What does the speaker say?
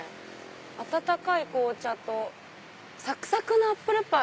「あたたかい紅茶とサクサクのアップルパイ」。